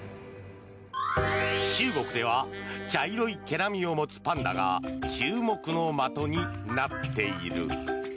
中国では茶色い毛並みを持つパンダが注目の的になっている。